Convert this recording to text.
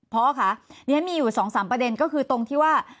พ่อค่ะดิฉันมีอยู่๒๓ประเด็นก็คือตรงที่ว่า